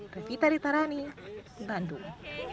revita ritarani bandung